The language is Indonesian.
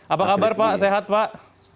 apa kabar pak sehat pak